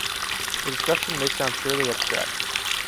This discussion may sound purely abstract.